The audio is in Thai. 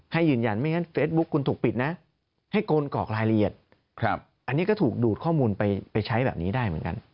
ยืนยันไม่งั้นเฟซบุ๊คคุณถูกปิดนะให้โกนกรอกรายละเอียดอันนี้ก็ถูกดูดข้อมูลไปใช้แบบนี้ได้เหมือนกัน